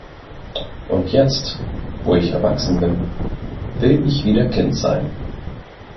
Und jetzt, wo ich erwachsen bin, will ich wieder Kind sein.